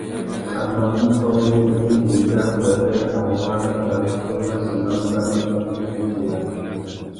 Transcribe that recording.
A mà mú fá nguru indi enda wêrê a waā nà wuchiô massi mà mbáma wa fitimú utimbāna.